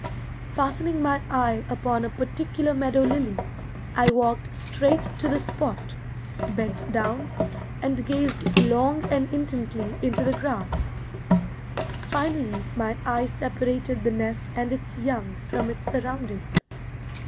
Fastening my eye upon a particular meadow lily, I walked straight to the spot, bent down, and gazed long and intently into the grass. Finally my eye separated the nest and its young from its surroundings.